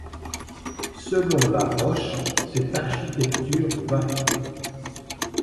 Selon la roche, cette architecture varie.